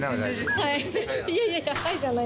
はい。